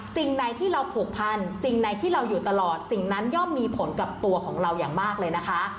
สิ่งไหนที่เราผูกพันสิ่งไหนที่เราอยู่ตลอดสิ่งนั้นย่อมมีผลกับตัวของเราอย่างมากเลยนะคะ